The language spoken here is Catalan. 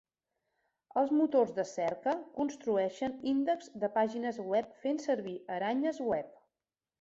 Els motors de cerca construeixen índexs de pàgines web fent servir aranyes web.